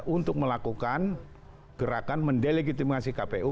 untuk melakukan gerakan mendelegitimasi kpu